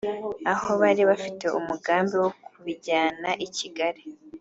aho bari bafite umugambi wo kubijyana i Kigali